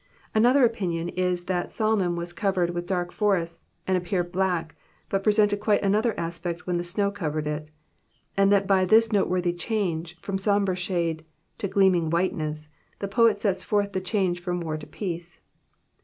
Another opinion is, that Salmon was covered with dark forests, and appeared black, but presented quite another aspect when the snow covered it, and that by this noteworthy change, from sombre shade to gleaming whiteness, the poet sets forth the change from war to peace.